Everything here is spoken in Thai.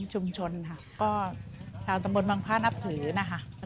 ชุมชนค่ะก็ชาวตำบลบางพระนับถือนะคะ